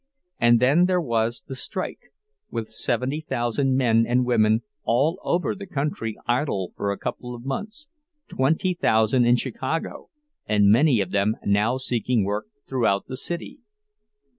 And then there was the strike, with seventy thousand men and women all over the country idle for a couple of months—twenty thousand in Chicago, and many of them now seeking work throughout the city.